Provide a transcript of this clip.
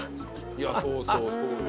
いやそうそうそうよ。